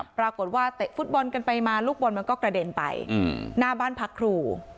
เตะฟุตบอลกันไปมาลูกบอลมันก็กระเด็นไปหน้าบ้านพักครู